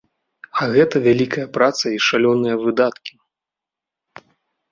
А гэта вялікая праца і шалёныя выдаткі.